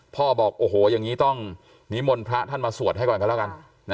บอกโอ้โหอย่างนี้ต้องนิมนต์พระท่านมาสวดให้ก่อนกันแล้วกัน